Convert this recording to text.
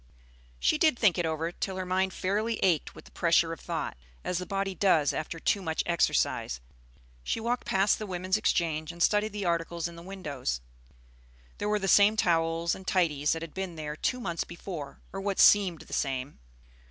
She did think it over till her mind fairly ached with the pressure of thought, as the body does after too much exercise. She walked past the Woman's Exchange and studied the articles in the windows. There were the same towels and tidies that had been there two months before, or what seemed the same.